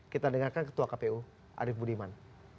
kita dengarkan ketua kpu arief budiman